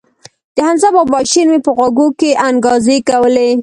د حمزه بابا شعر مې په غوږو کښې انګازې کولې.